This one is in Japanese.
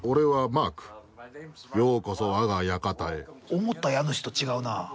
思った家主と違うな。